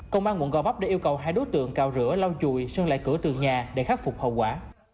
công an quận gò vấp đã yêu cầu hai đối tượng cào rửa lau chùi sơn lại cửa tường nhà để khắc phục hậu quả